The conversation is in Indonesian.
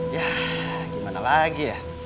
ya gimana lagi ya